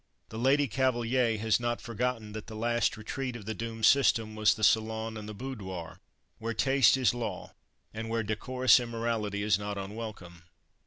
The Lady Cavaliere has not forgotten that the last retreat of the doomed system was the salon and the boudoir, where taste is law, and where decorous immorality is not unwelcome.